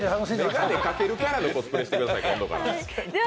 眼鏡かけられるキャラでコスプレしてください、今度は。